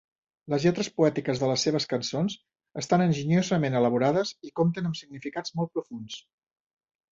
Les lletres poètiques de les seves cançons estan enginyosament elaborades i compten amb significats molt profunds.